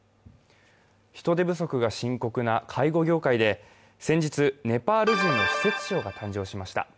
人手不足が深刻な介護業界で先日、ネパール人の施設長が誕生しました。